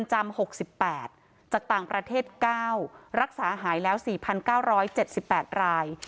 หายแล้ว๔๙๗๘ราย